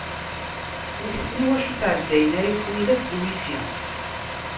Wissen iwacu ur ttɛeddin ara ifuyla s WiFi?